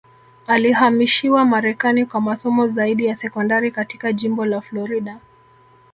Alihamishiwa Marekani kwa masomo zaidi ya sekondari katika jimbo la Florida